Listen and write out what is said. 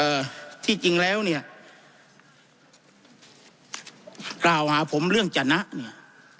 เอ่อที่จริงแล้วเนี่ยกล่าวหาผมเรื่องจนะเนี่ย